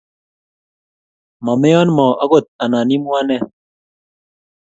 mameon moo akot anan imwa nee